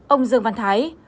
ông dương văn thái